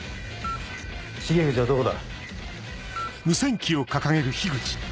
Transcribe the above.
重藤はどこだ？